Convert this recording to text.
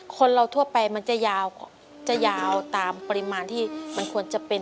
คนเราทั่วไปมันจะยาวจะยาวตามปริมาณที่มันควรจะเป็น